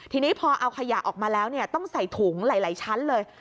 ทีนี้พอเอาขยะออกมาแล้วต้องใส่ถุงหลายชั้นเลย